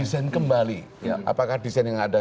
desain kembali apakah desain yang ada